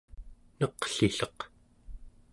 neqlilleq